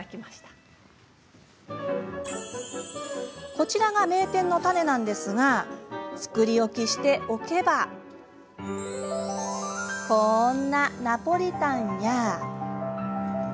こちらが名店のタネなんですが作り置きしておけばこんなナポリタンや。